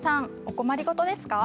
お困り事ですか？